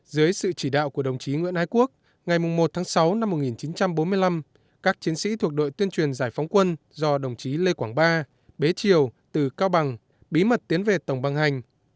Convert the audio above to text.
dưới sự chỉ đạo của đồng chí nguyễn ái quốc ngày một tháng sáu năm một nghìn chín trăm bốn mươi năm các chiến sĩ thuộc đội tuyên truyền giải phóng quân do đồng chí lê quảng ba bế triều từ cao bằng bí mật tiến về tổng băng hành